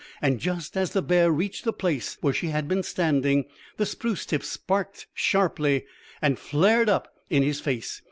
And just as the bear reached the place where she had been standing, the spruce tips sparked sharply and flared up in his face.